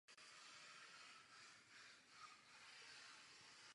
Realizovala plastiku koně pro stáje Arthura Fischera v Olomouci.